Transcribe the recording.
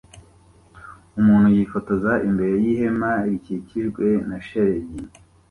Umuntu yifotoza imbere yihema rikikijwe na shelegi